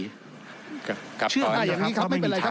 เชื่ออย่างนี้ครับไม่เป็นไรครับ